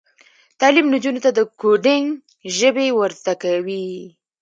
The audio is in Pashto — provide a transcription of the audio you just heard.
تعلیم نجونو ته د کوډینګ ژبې ور زده کوي.